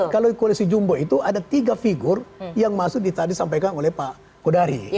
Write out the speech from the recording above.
kalau di koalisi jumbo itu ada tiga figur yang masuk di tadi sampaikan oleh pak kodari